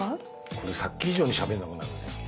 これさっき以上にしゃべんなくなるね。